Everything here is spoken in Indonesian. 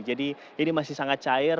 jadi ini masih sangat cair